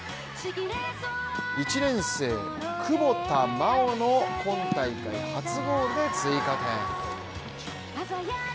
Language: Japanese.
１年生、久保田真生の今大会初ゴールで追加点。